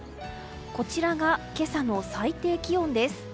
こちらが今朝の最低気温です。